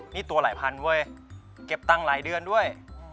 นี่ตัวหลายพันเว้ยเก็บตังค์หลายเดือนด้วย